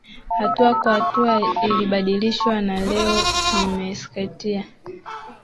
hatua kwa hatua ilibadilishwa Na leo Meskhetia